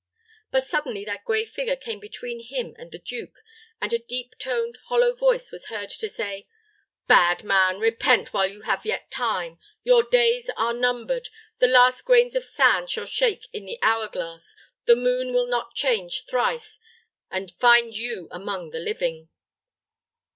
But suddenly that gray figure came between him and the duke, and a deep toned, hollow voice was heard to say, "Bad man, repent while you have yet time! Your days are numbered! The last grains of sand shake in the hour glass; the moon will not change thrice, and find you among the living!"